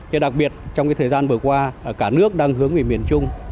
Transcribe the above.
thế đặc biệt trong cái thời gian vừa qua cả nước đang hướng về miền trung